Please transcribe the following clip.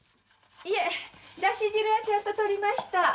いえだし汁はちゃんととりました。